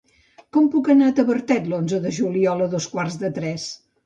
Com puc anar a Tavertet l'onze de juliol a dos quarts de tres?